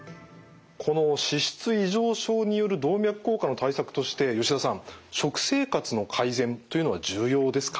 この脂質異常症による動脈硬化の対策として吉田さん食生活の改善というのは重要ですか？